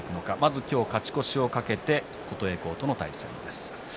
まず今日勝ち越しを懸けて琴恵光との対戦です。